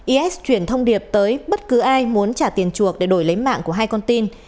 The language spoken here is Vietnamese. is chuyển thông điệp tới bất cứ ai muốn trả tiền chuộc để đổi lấy mạng của hai con tin